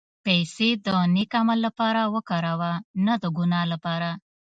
پېسې د نېک عمل لپاره وکاروه، نه د ګناه لپاره.